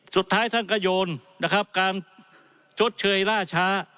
สุดท้ายท่านกระโยนการชดเชยล่าช้า